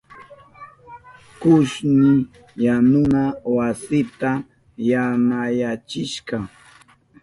Kushni yanuna wasita yanayachishka.